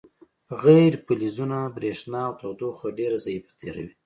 غیر فلزونه برېښنا او تودوخه ډیره ضعیفه تیروي.